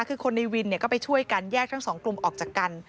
คือคนในวินก็ไปช่วยกันแยกทั้งสองกลุ่มออกจากกัน